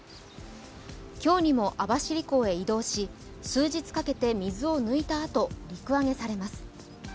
今日にも網走港へ移動し数日かけて水を抜いたあと陸揚げされます。